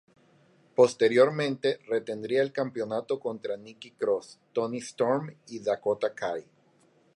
Posteriormente retendría el campeonato contra Nikki Cross, Toni Storm y Dakota Kai.